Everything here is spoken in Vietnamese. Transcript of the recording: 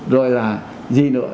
rồi là gì nữa